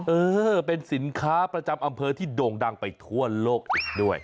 เออเป็นสินค้าประจำอำเภอที่โด่งดังไปทั่วโลกอีกด้วย